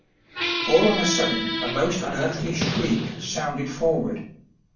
All on a sudden a most unearthly shriek sounded forward.